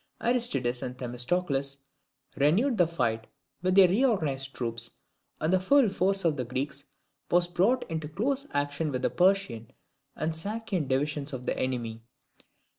Aristides and Themistocles renewed the fight with their re organized troops, and the full force of the Greeks was brought into close action with the Persian and Sacian divisions of the enemy.